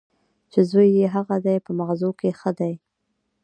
چې زوی یې هغه دی په مغزو کې ښه دی.